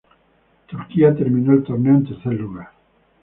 Turquía terminó el torneo en tercer lugar.